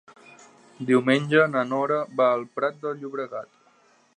Diumenge na Nora va al Prat de Llobregat.